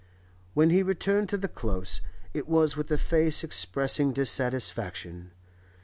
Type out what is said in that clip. When he returned to the Close, it was with a face expressing dissatisfaction.